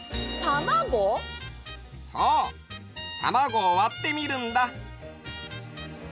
たまごをわってみるんだ。